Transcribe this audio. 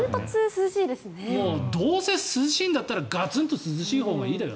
どうせ涼しいんだったらがつんと涼しいほうがいいんだよ。